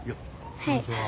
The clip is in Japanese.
はい。